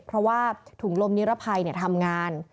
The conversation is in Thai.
เพราะว่าถุงลมนิรภัยทำงาน